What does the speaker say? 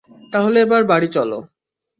তাহলে এবার বাড়ি চলো!